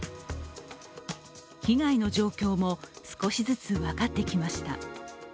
被害の状況も少しずつ分かってきました。